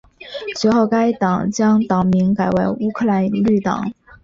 随后该党将党名改为乌克兰绿党。